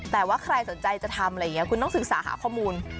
แต่ว่าใครสนใจจะทำอะไรอย่างนี้คุณต้องศึกษาหาข้อมูล